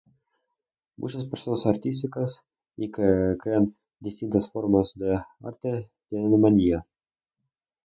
Muchas personas artísticas y que crean distintas formas de arte tienen manía.